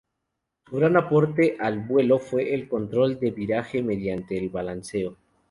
Su gran aporte al vuelo fue el control de viraje mediante el balanceo.